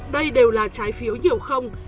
đây đều là trái phiếu nhiều không